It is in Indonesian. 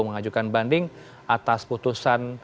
mengajukan banding atas putusan